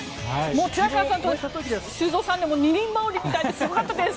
寺川さんと修造さんの二人羽織りみたいですごかったです！